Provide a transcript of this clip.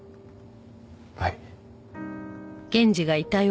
はい。